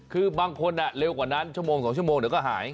คือบางคนเร็วกว่านั้นชั่วโมง๒ชั่วโมงเดี๋ยวก็หาย